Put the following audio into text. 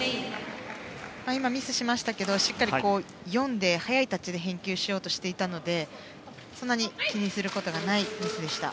今、ミスしましたけどしっかり読んで早いタッチで返球しようとしていたのでそんなに気にすることがないミスでした。